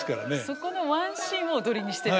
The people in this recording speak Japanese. そこのワンシーンを踊りにしてるんですか。